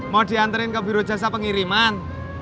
mau diantarin ke biro jasa pengiriman